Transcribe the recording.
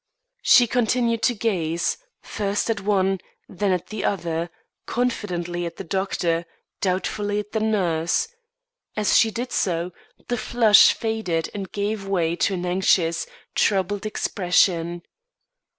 She continued to gaze, first at one, then at the other; confidently at the doctor, doubtfully at the nurse. As she did so, the flush faded and gave way to an anxious, troubled expression.